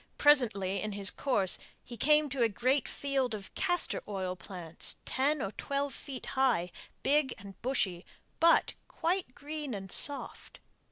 Presently in his course he came to a great field of castor oil plants, ten or twelve feet high, big and bushy, but quite green and soft.